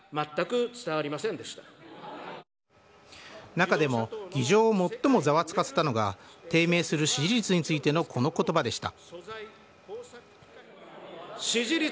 中でも議場を最もざわつかせたのが低迷する支持率についてのこの言葉でした。